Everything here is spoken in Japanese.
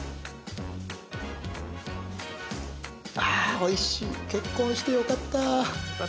あおいしい結婚してよかった